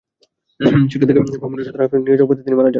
সেখান থেকে ব্রাহ্মণবাড়িয়া সদর হাসপাতালে নিয়ে যাওয়ার পথে তিনি মারা যান।